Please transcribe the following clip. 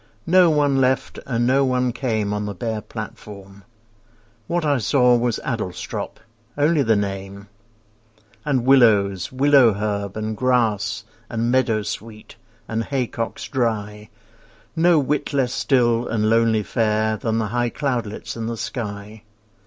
No one left and no one came On the bare platform. What I saw Was Adlestrop—only the name And willows, willow herb, and grass, And meadowsweet, and haycocks dry, No whit less still and lonely fair Than the high cloudlets in the sky.